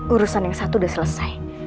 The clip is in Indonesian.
urusan yang satu sudah selesai